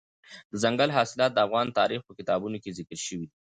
دځنګل حاصلات د افغان تاریخ په کتابونو کې ذکر شوی دي.